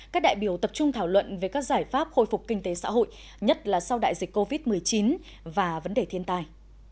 các đại biểu tập trung thảo luận về các giải pháp khôi phục kinh tế xã hội nhất là sau đại dịch covid một mươi chín và vấn đề thiên tài